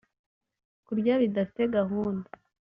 Kurya bidafite gahunda